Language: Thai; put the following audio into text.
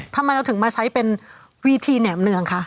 ทำไมเราถึงมาใช้เป็นวิธีแหนมเนืองคะ